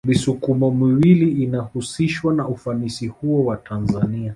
Misukumo miwili inahusishwa na ufanisi huo wa Tanzania